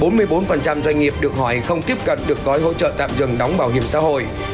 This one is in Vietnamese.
bốn mươi bốn doanh nghiệp được hỏi không tiếp cận được gói hỗ trợ tạm dừng đóng bảo hiểm xã hội